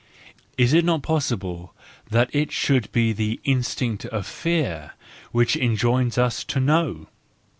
Is it not possible that it should be the instinct of fear which e^oms upon us to know?